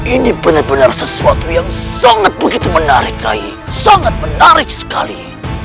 ini benar benar sesuatu yang sangat begitu menarik kai sangat menarik sekali